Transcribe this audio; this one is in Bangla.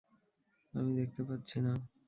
আমি দেখতে পাচ্ছি না।